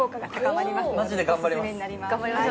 マジで頑張ります